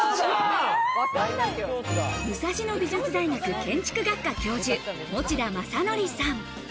武蔵野美術大学建築学科教授・持田正憲さん。